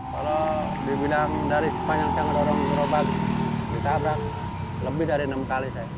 kalau dibilang dari sepanjang saya ngedorong di jorobat di sabrak lebih dari enam kali saya